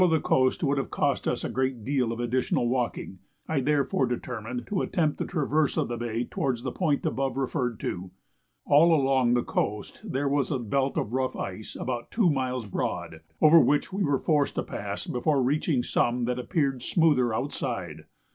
To follow the coast would have cost us a great deal of additional walking; I therefore determined to attempt the traverse of the bay towards the point above referred to. All along the coast there was a belt of rough ice about two miles broad, over which we were forced to pass before reaching some that appeared smoother outside.